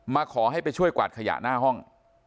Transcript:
ขอให้ไปช่วยกวาดขยะหน้าห้อง